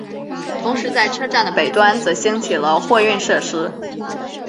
同时在车站的北端则兴起了货运设施。